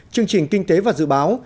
chương trình kinh tế và dự báo